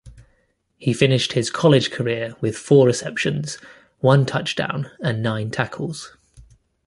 He finished his college career with four receptions, one touchdown and nine tackles.